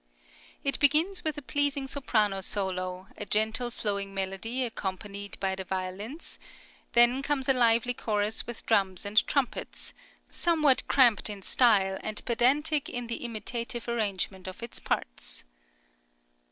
It begins with a pleasing soprano solo, a gentle flowing melody accompanied by the violins; then comes a lively chorus with drums and trumpets, somewhat cramped in style and pedantic in the imitative arrangement of its parts.